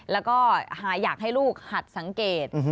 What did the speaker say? แล้วก็ฮาอยากให้ลูกหัดสังเกต